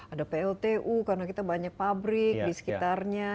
ada pltu karena kita banyak pabrik di sekitarnya